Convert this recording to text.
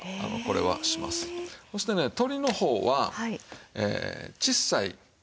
そしてね鶏の方は小さい。